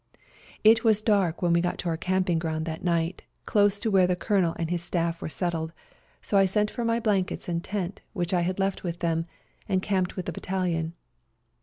It was dark when we got to our camping ground that night, close to where the Colonel and his staff were settled, so I sent 132 FIGHTING ON MOUNT CHUKUS for my blankets and tent, which I had left with them, and camped with the battalion.